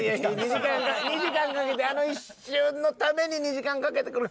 ２時間かけてあの一瞬のために２時間かけて来る。